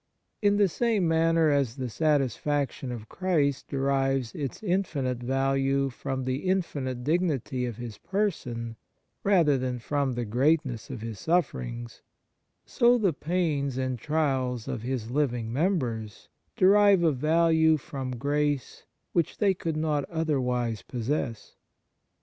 In the same manner as the satisfaction of Christ derives its infinite value from the infinite dignity of His person rather than from the greatness of His sufferings, so the pains and trials of His living members derive a value from grace which they would not otherwise possess.